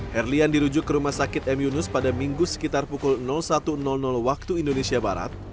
herlian dirujuk ke rumah sakit m yunus pada minggu sekitar pukul satu waktu indonesia barat